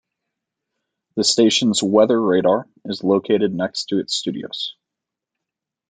The station's weather radar is located next to its studios.